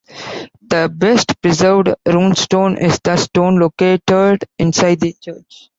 The best preserved runestone is the stone located inside the church.